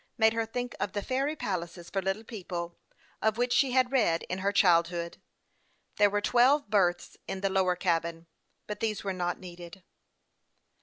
253 made her think of the fairy palaces for little people, of which she had read in her childhood. There were twelve berth. s in the lower cabin, but these were not needed on the present occasion.